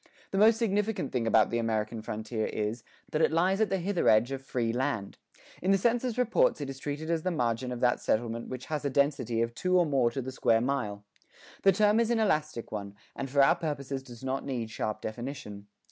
The most significant thing about the American frontier is, that it lies at the hither edge of free land. In the census reports it is treated as the margin of that settlement which has a density of two or more to the square mile. The term is an elastic one, and for our purposes does not need sharp definition.